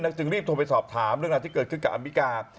จึงรีบโทรไปสอบถามเรื่องราวที่เกิดขึ้นกับอเมริกา